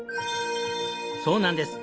そうなんです！